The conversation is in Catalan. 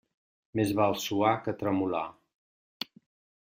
Més val suar que tremolar.